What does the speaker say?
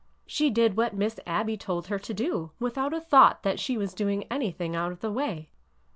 She did what Miss Abby told her to do, without a thought that she was doing anything out of the way."